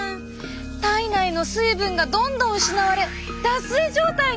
体内の水分がどんどん失われ脱水状態に！